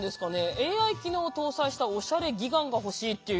「ＡＩ機能を搭載したおしゃれ義眼がほしい」っていう。